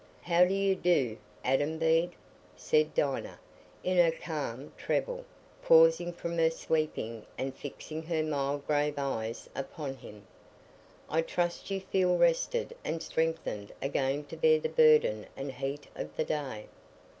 "How do you do, Adam Bede?" said Dinah, in her calm treble, pausing from her sweeping and fixing her mild grave eyes upon him. "I trust you feel rested and strengthened again to bear the burden and heat of the day."